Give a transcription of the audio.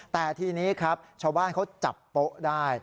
แต่ทีนี้ครับชาวบ้านเขาจับโป๊ะได้